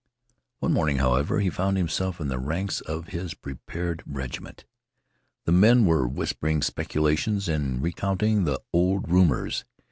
One morning, however, he found himself in the ranks of his prepared regiment. The men were whispering speculations and recounting the old rumors.